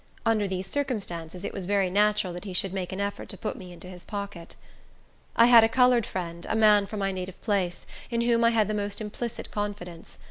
Under these circumstances, it was very natural that he should make an effort to put me into his pocket. I had a colored friend, a man from my native place, in whom I had the most implicit confidence.